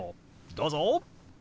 どうぞ！